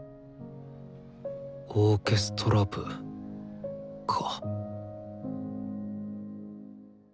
オーケストラ部か。